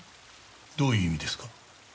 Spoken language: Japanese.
どういう意味ですか？